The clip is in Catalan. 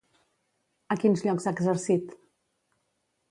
A quins llocs ha exercit?